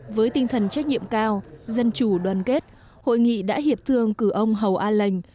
với tinh thần trách nhiệm cao dân chủ đoàn kết hội nghị đã hiệp thương cử ông hầu a lệnh